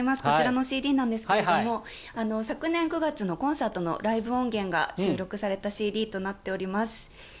こちらのＣＤなんですが昨年９月のコンサートのライブ音源が収録されたＣＤとなっています。